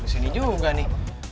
udah kesini juga nih